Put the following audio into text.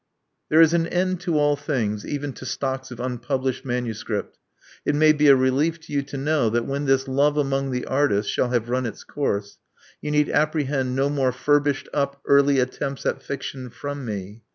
There is an end to all things, even to stocks of unpublished manuscript. It may be a relief to you to know that when this Love among the Artists'* shall have run its course, you need apprehend no more fur bished up early attempts at fiction from me.